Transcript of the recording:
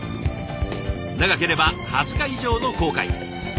長ければ２０日以上の航海。